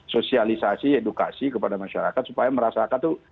sosialisasi edukasi kepada masyarakat supaya merasakan tuh